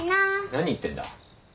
何言ってんだ。